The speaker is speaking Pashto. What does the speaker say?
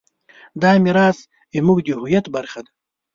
دا میراث زموږ د هویت برخه ده.